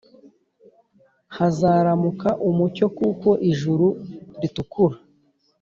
Hazaramuka umucyo kuko ijuru ritukura.